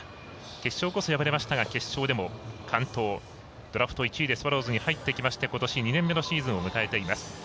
決勝こそ敗れましたが決勝では完投、ドラフト１位でスワローズに入ってきましてことし２年目のシーズンを迎えています。